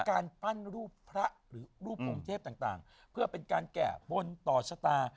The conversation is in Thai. การปั้นรูปพระหรือรูปองค์เทพต่างเพื่อเป็นการแก้บนต่อชะตา